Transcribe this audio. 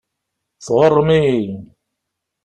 Tɣuṛṛem-iyi.